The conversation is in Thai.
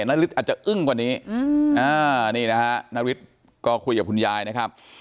นาริสอาจจะอึ้งกว่านี้นี่นะฮะนาริสก็คุยกับคุณยายนะครับ